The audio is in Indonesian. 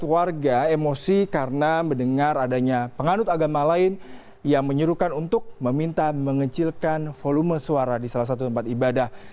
warga emosi karena mendengar adanya penganut agama lain yang menyuruhkan untuk meminta mengecilkan volume suara di salah satu tempat ibadah